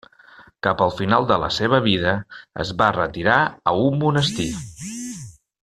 Cap al final de la seva vida, es va retirar a un monestir.